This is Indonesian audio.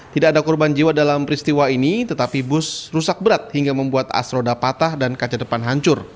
tidak ada korban jiwa dalam peristiwa ini tetapi bus rusak berat hingga membuat asroda patah dan kaca depan hancur